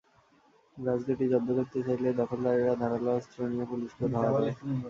গাছ দুটি জব্দ করতে চাইলে দখলদারেরা ধারালো অস্ত্র নিয়ে পুলিশকেও ধাওয়া দেয়।